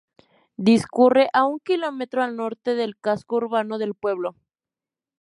Discurre a un kilómetro al Norte del casco urbano del pueblo.